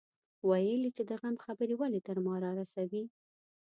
ويل يې چې د غم خبرې ولې تر ما رارسوي.